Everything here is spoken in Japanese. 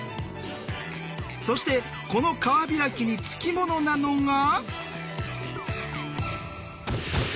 そしてこの川開きに付き物なのが。